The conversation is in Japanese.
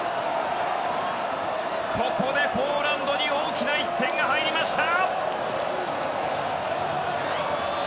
ここでポーランドに大きな１点が入りました！